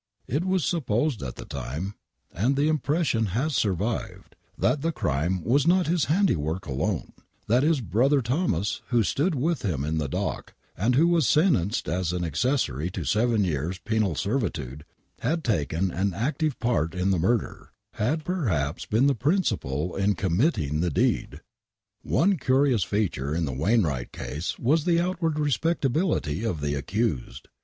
It was supposed at the time, and the impression has survived, that the crime was not his handiwork alone; that his brother Thomas, who stood with him in the dock, and who was sentenced as an accessory to seven years penal servitude, had taken an active part in the murder — had perhaps been the principal in committing the deed. One curious feature in the Wainwright case was the outward respectability of the accused.